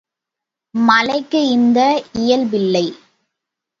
மலைக்கு இந்த இயல்பில்லை.